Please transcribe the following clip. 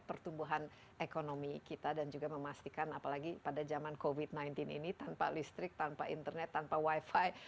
pertumbuhan ekonomi kita dan juga memastikan apalagi pada zaman covid sembilan belas ini tanpa listrik tanpa internet tanpa wifi